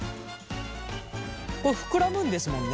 これ膨らむんですもんね。